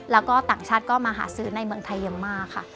แล้วก็ต่างชาติก็มาหาซื้อในเมืองไทยอย่างมากค่ะ